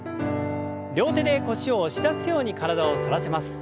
両手で腰を押し出すように体を反らせます。